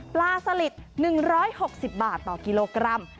ปลาสลิด๑๖๐บาทต่อกิโลกรัม